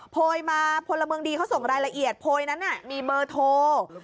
โพยมาพลเมืองดีเขาส่งรายละเอียดโพยนั้นมีเบอร์โทร